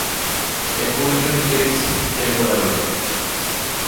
A policeman takes Dago away.